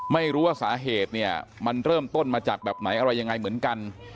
ไม่รู้ว่าสาเหตุเนี่ยมันเริ่มต้นมาจากแบบไหนอะไรยังไงเหมือนกัน